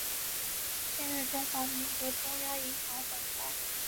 现任中华民国中央银行总裁。